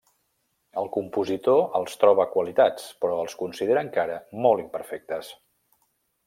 El compositor els troba qualitats però els considera encara molt imperfectes.